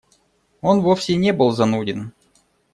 Он вовсе не был зануден.